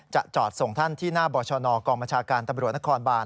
จอดส่งท่านที่หน้าบชนกองบัญชาการตำรวจนครบาน